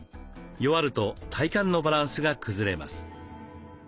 弱ると体幹のバランスが崩れます。